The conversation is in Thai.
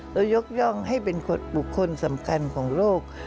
ยกย่องให้เป็นบุคคลสำคัญของโลก